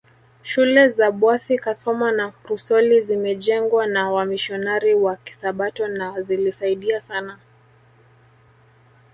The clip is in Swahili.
Shule za Bwasi Kasoma na Rusoli zimejengwa na wamisionari wa Kisabato na zilisaidia sana